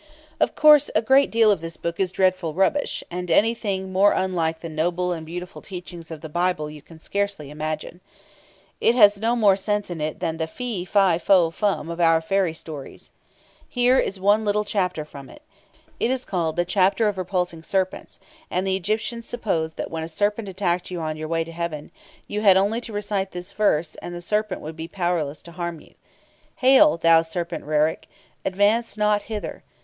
Of course, a great deal of this book is dreadful rubbish, and anything more unlike the noble and beautiful teaching of the Bible you can scarcely imagine. It has no more sense in it than the "Fee! fi! foh! fum!" of our fairy stories. Here is one little chapter from it. It is called "The Chapter of Repulsing Serpents," and the Egyptians supposed that when a serpent attacked you on your way to heaven, you had only to recite this verse, and the serpent would be powerless to harm you: "Hail, thou serpent Rerek! advance not hither.